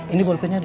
ini buat punya de